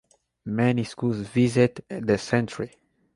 Many schools visit the centre.